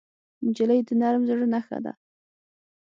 نجلۍ د نرم زړه نښه ده.